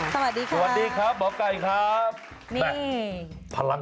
สวัสดีครับหมอกไก่ครับ